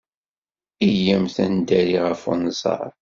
Iyyamt ad neddari ɣef unẓar.